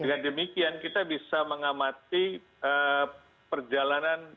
dengan demikian kita bisa mengamati perjalanan